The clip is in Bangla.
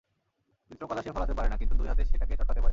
চিত্রকলা সে ফলাতে পারে না, কিন্তু দুই হাতে সেটাকে চটকাতে পারে।